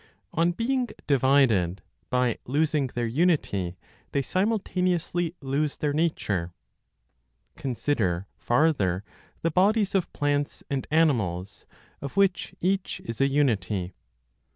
On being divided by losing their unity, they simultaneously lose their nature. Consider farther the bodies of plants and animals, of which each is a unity.